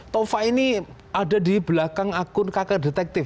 tova ini ada di belakang akun kakak detektif